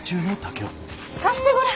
貸してごらん！